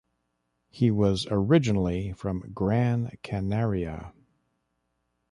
He was originally from Gran Canaria.